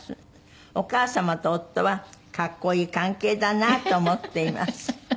「お母様と夫は格好いい関係だなと思っています」